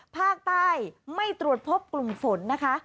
ภาคใต้ไม่ตรวจพบกลุ่มฝนนะคะ